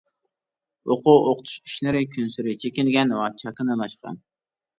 ئوقۇ-ئوقۇتۇش ئىشلىرى كۈنسېرى چېكىنگەن ۋە چاكىنىلاشقان.